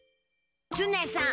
ツネさん